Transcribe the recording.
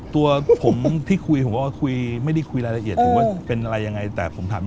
ตัวผมที่คุยผมก็คุยไม่ได้คุยรายละเอียดถึงว่าเป็นอะไร